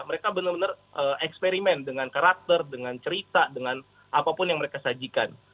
mereka benar benar eksperimen dengan karakter dengan cerita dengan apapun yang mereka sajikan